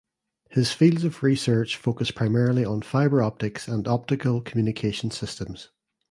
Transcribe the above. His fields of research focus primarily on fiber optics and optical communication systems.